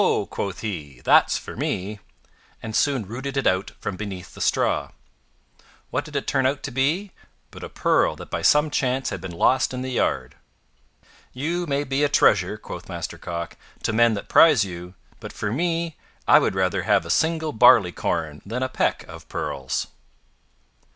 quoth he, "that's for me," and soon rooted it out from beneath the straw. What did it turn out to be but a Pearl that by some chance had been lost in the yard? "You may be a treasure," quoth Master Cock, "to men that prize you, but for me I would rather have a single barley corn than a peck of pearls."